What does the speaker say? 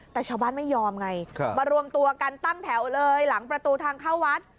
แต่ชาวบ้านไม่ยอมไงมารวมตัวกันตั้งแถวเลยหลังประตูทางเข้าวัด